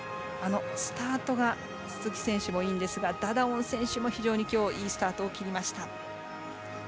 スタートが鈴木選手もいいんですがダダオン選手も非常にきょういいスタートを切りました。